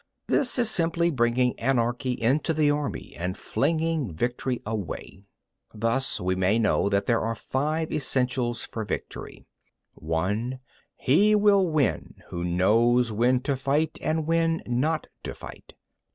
This is simply bringing anarchy into the army, and flinging victory away. 17. Thus we may know that there are five essentials for victory: (1) He will win who knows when to fight and when not to fight.